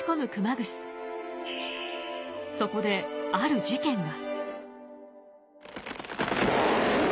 そこである事件が。